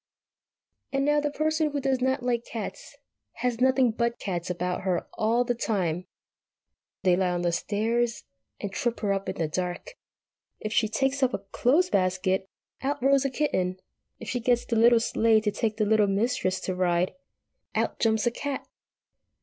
And now the Person who does not like eats has nothing but cats about her all the time. They lie on the stairs and trip her up in the dark. If she takes up a clothes basket, out rolls a kitten. If she gets the little sleigh to take the Littlest Mistress to ride, out jumps a cat.